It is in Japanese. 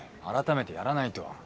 改めてやらないと。